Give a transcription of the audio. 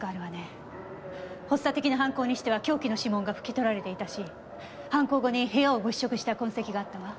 発作的な犯行にしては凶器の指紋が拭き取られていたし犯行後に部屋を物色した痕跡があったわ。